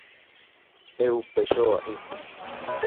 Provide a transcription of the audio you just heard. Eu véxoo así.